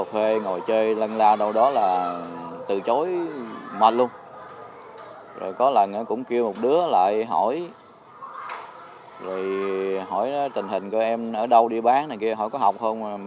rồi có lần cũng kêu một đứa lại hỏi hỏi tình hình của em ở đâu đi bán này kia hỏi có học không